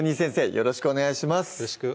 よろしくお願いします